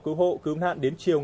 cũng như cộng thêm với tỉnh hòa bình